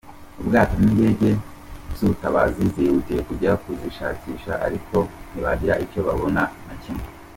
Ubwato n’indege z’ubutabazi zihutiye kujya kuzishakisha ariko ntibagira icyo babona na kimwe.